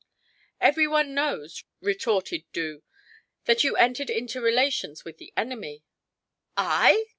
"Every one knows," retorted Boo, "that you entered into relations with the enemy." "I?